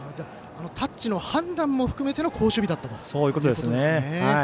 タッチの判断も含めての好守備だったということですね。